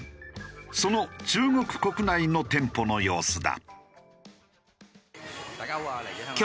その中国国内の店舗の様子だ。